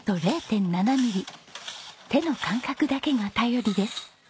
手の感覚だけが頼りです。